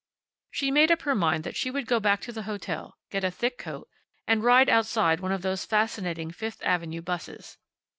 She made up her mind that she would go back to the hotel, get a thick coat, and ride outside one of those fascinating Fifth avenue 'buses.